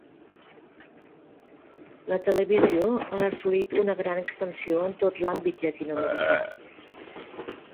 La televisió ha assolit una gran expansió en tot l'àmbit llatinoamericà.